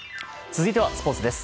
続いてはスポーツです。